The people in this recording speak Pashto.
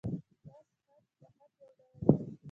نسخ خط؛ د خط یو ډول دﺉ.